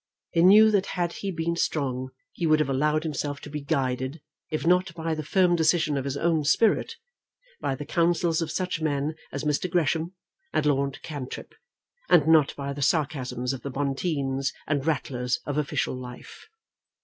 He knew that had he been strong, he would have allowed himself to be guided, if not by the firm decision of his own spirit, by the counsels of such men as Mr. Gresham and Lord Cantrip, and not by the sarcasms of the Bonteens and Ratlers of official life.